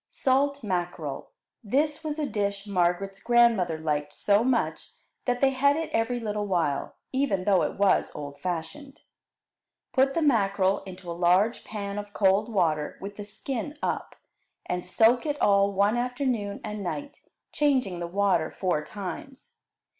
Salt Mackerel This was a dish Margaret's grandmother liked so much that they had it every little while, even though it was old fashioned. Put the mackerel into a large pan of cold water with the skin up, and soak it all one afternoon and night, changing the water four times.